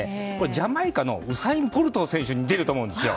ジャマイカのウサイン・ボルト選手に似ていると思うんです。